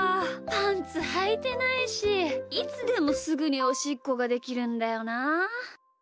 パンツはいてないしいつでもすぐにおしっこができるんだよなあ。